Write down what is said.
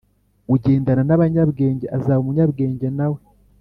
ugendana n’abanyabwenge azaba umunyabwenge na we